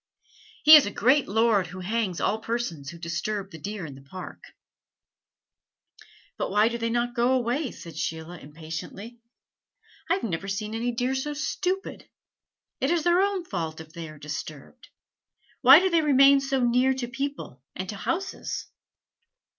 "He is a great lord who hangs all persons who disturb the deer in this Park." "But why do they not go away?" said Sheila impatiently. "I have never seen any deer so stupid. It is their own fault if they are disturbed: why do they remain so near to people and to houses?"